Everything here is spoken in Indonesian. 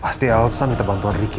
pasti elsa minta bantuan riki